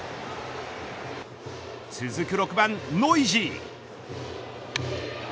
続く６番ノイジー。